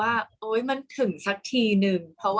กากตัวทำอะไรบ้างอยู่ตรงนี้คนเดียว